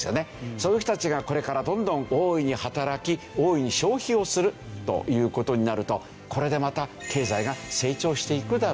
そういう人たちがこれからどんどん。という事になるとこれでまた経済が成長していくだろう。